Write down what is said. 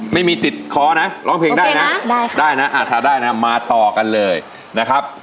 ไม่มีติดค้อนะร้องเพลงได้นะได้ค่ะได้นะถ้าได้นะมาต่อกันเลยนะครับ